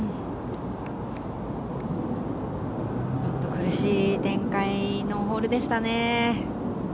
苦しい展開のホールでしたね。